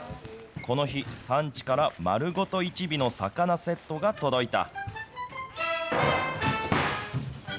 この日、産地から丸ごと一尾の魚セットが届いた。